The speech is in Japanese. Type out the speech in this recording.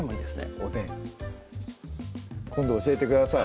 おでん今度教えてください